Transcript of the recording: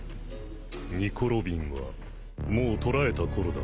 ニコ・ロビンはもう捕らえたころだろう。